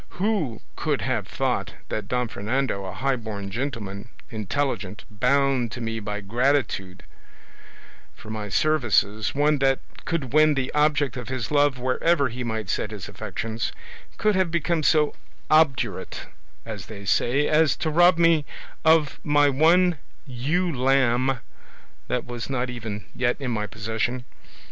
Who could have thought that Don Fernando, a highborn gentleman, intelligent, bound to me by gratitude for my services, one that could win the object of his love wherever he might set his affections, could have become so obdurate, as they say, as to rob me of my one ewe lamb that was not even yet in my possession?